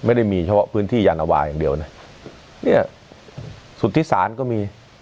ไม่ได้มีโชวะพื้นที่หญวาเดี่ยวเนี่ยนี่สุธิศาลก็มี